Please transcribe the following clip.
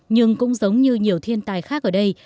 nhưng cũng giống như nhiều thiên tài khác ở đây